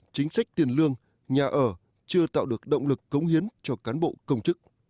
chính sách tiền lương nhà ở chưa tạo được động lực cống hiến cho cán bộ công chức